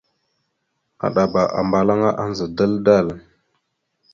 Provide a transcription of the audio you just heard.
Aɗaba ambalaŋa andza dal-dal.